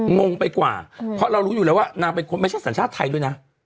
งงไปกว่าเพราะเรารู้อยู่แล้วว่านางเป็นคนไม่ใช่สัญชาติไทยด้วยนะ